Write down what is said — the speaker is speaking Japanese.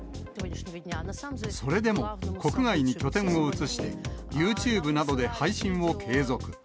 それでも、国外に拠点を移して、ユーチューブなどで配信を継続。